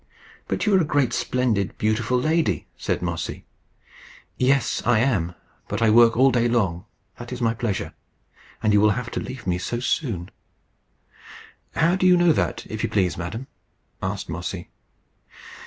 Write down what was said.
"But you are a great, splendid, beautiful lady," said Mossy. "Yes, I am. But I work all day long that is my pleasure; and you will have to leave me so soon!" "How do you know that, if you please, madam?" asked Mossy.